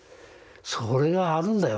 それがあるんだよ。